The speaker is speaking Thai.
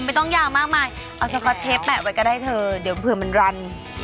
ไม่ต้องยาวมากมายเอาสก๊อตเชฟแปะไว้ก็ได้เถอะเดี๋ยวเผื่อมันรัน